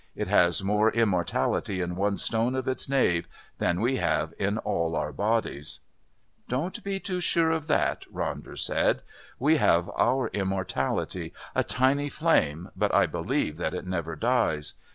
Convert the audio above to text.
It has more immortality in one stone of its nave than we have in all our bodies." "Don't be too sure of that," Ronder said. "We have our immortality a tiny flame, but I believe that it never dies.